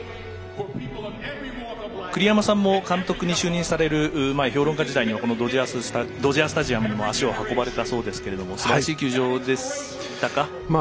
栗山さんも監督に就任される前評論家時代にはこのドジャースタジアムに足を運ばれたそうですがすばらしい球場でしたか？